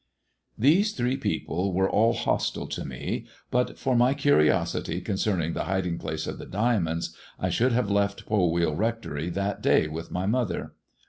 These three people were all hostile to me, and but for my curiosity concerning the hiding place of the diamonds, I should have left Pol wheal Rectory that day with my mother.